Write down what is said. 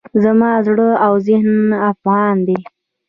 زما زړه او ذهن افغان دی.